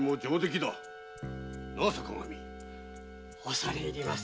恐れ入ります。